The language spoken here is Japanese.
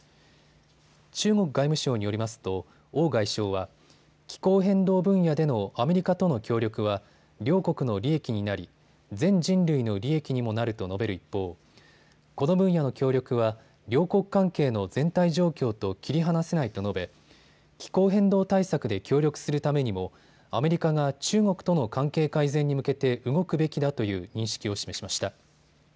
中国外務省によりますと王外相は気候変動分野でのアメリカとの協力は両国の利益になり、全人類の利益にもなると述べる一方、この分野の協力は両国関係の全体状況と切り離せないと述べ気候変動対策で協力するためにもアメリカが中国との関係改善に向けて動くべきだという認識を示しました。